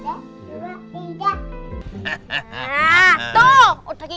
papa pernah baca di buku